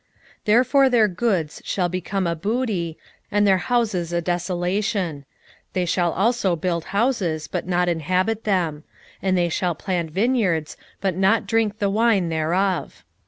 1:13 Therefore their goods shall become a booty, and their houses a desolation: they shall also build houses, but not inhabit them; and they shall plant vineyards, but not drink the wine thereof.